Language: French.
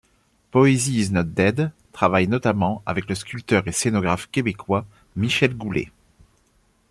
Poésie is not dead travaille notamment avec le sculpteur et scénographe québécois Michel Goulet.